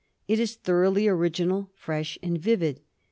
It is thoroughly original, fresh, and vivid.